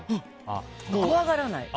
怖がらない。